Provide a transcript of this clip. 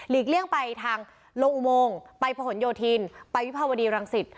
เลี่ยงไปทางลงอุโมงไปผนโยธินไปวิภาวดีรังสิต